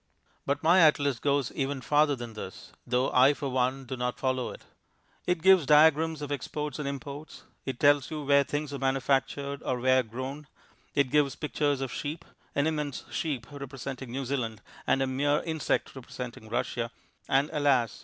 But my atlas goes even farther than this, though I for one do not follow it. It gives diagrams of exports and imports; it tells you where things are manufactured or where grown; it gives pictures of sheep an immense sheep representing New Zealand and a mere insect representing Russia, and alas!